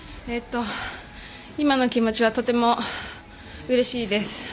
今の気持ちはとてもうれしいです。